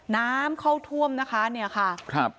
น้ำเข้าท่วมนะคะเนี่ยค่ะครับ